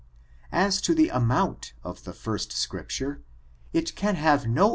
As to the amount of ihejtrst scripture, it can have no.